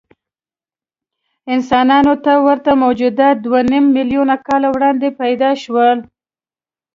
انسان ته ورته موجودات دوهنیم میلیونه کاله وړاندې پیدا شول.